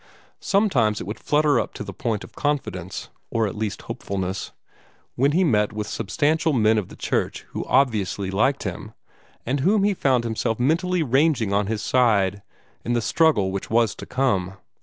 Sometimes it would flutter up to the point of confidence, or at least hopefulness, when he met with substantial men of the church who obviously liked him, and whom he found himself mentally ranging on his side, in the struggle which was to come.